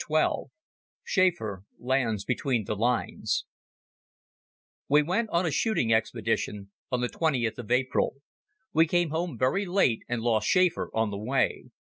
XII Schäfer Lands Between the Lines WE went on a shooting expedition on the twentieth of April. We came home very late and lost Schäfer on the way.